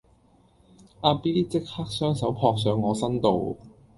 阿 B 即刻雙手撲上我身度